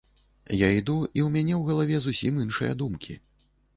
Я іду і ў мяне ў галаве зусім іншыя думкі.